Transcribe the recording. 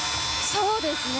そうですね。